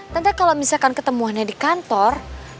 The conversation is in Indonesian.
nanti kalau misalkan ketemuannya di kantor